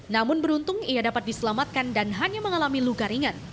namun beruntung ia dapat diselamatkan dan hanya mengalami luka ringan